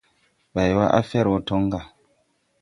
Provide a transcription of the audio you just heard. Baywa, a fer wo toŋ ga.